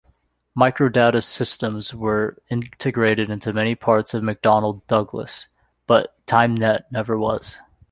Microdata's systems were integrated into many parts of McDonnell Douglas, but Tymnet never was.